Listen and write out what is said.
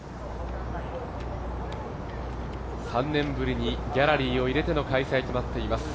３年ぶりにギャラリーを入れての開催となっています。